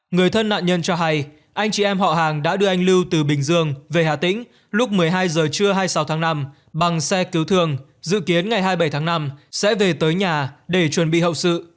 người thân nạn nhân cho hay anh chị em họ hàng đã đưa anh lưu từ bình dương về hà tĩnh lúc một mươi hai h trưa hai mươi sáu tháng năm bằng xe cứu thương dự kiến ngày hai mươi bảy tháng năm sẽ về tới nhà để chuẩn bị hậu sự